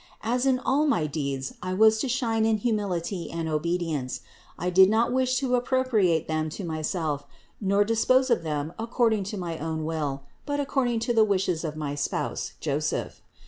As in all my deeds I was to shine in humility and obedience, I did not wish to appropriate them to myself, nor dispose of them ac cording to my own will, but according to the wishes of my spouse Joseph.